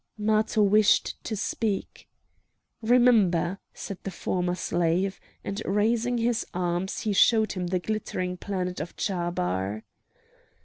Matho wished to speak. "Remember!" said the former slave, and raising his arm he showed him the glittering planet of Chabar.